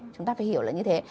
chúng ta phải hiểu là như thế